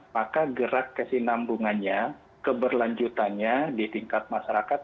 maka gerak kesinambungannya keberlanjutannya di tingkat masyarakat